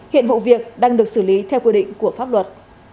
hiện vụ việc đang được xử lý theo quy định của pháp luật